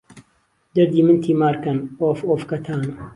دهردی من تیمار کهن، ئۆف ئۆف کهتانه